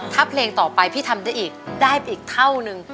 ถ้าเพลงต่อไปพี่ทำได้อีกได้ไปอีกเท่านึง